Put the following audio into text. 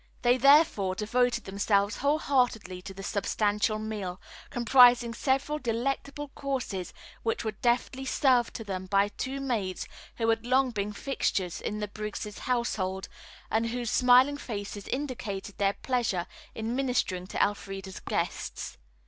They, therefore, devoted themselves whole heartedly to the substantial meal, comprising several delectable courses which were deftly served to them by two maids who had long been fixtures in the Briggs' household, and whose smiling faces indicated their pleasure in ministering to Elfreda's guests.